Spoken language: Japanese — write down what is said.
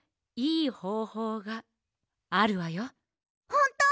ほんと！？